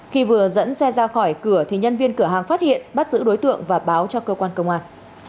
khi vừa dẫn xe ra khỏi cửa thì nhân viên cửa hàng phát hiện bắt giữ đối tượng và báo cho cơ quan công an